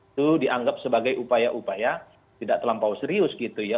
itu dianggap sebagai upaya upaya tidak terlampau serius gitu ya